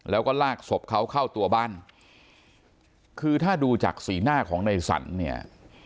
แล้วก็ลากศพเขาเข้าตัวบ้านคือถ้าดูจากสีหน้าของในสรรเนี่ย